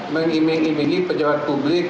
mengiming imingi pejabat publik